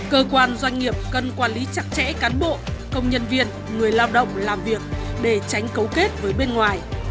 cơ quan doanh nghiệp cần quản lý chặt chẽ cán bộ công nhân viên người lao động làm việc để tránh cấu kết với bên ngoài